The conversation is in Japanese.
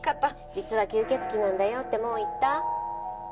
実は吸血鬼なんだよってもう言った？